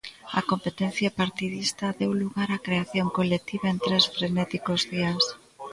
A competencia partidista deu lugar á creación colectiva en tres frenéticos días.